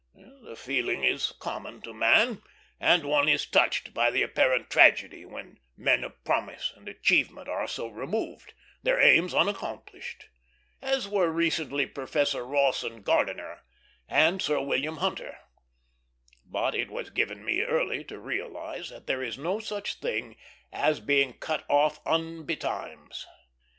The feeling is common to man, and one is touched by the apparent tragedy when men of promise and achievement are so removed, their aims unaccomplished, as were recently Professor Rawson Gardiner and Sir William Hunter; but it was given me early to realize that there is no such thing as being cut off unbetimes.